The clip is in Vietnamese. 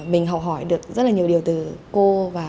mình học hỏi được rất là nhiều điều từ cô và